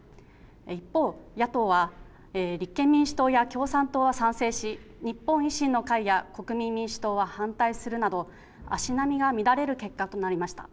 一方、野党は、立憲民主党や共産党は賛成し、日本維新の会や、国民民主党は反対するなど、足並みが乱れる結果となりました。